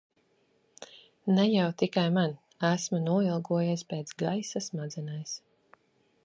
Ne jau tikai man. Esmu noilgojies pēc gaisa smadzenēs.